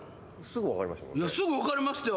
すぐ分かりましたよ。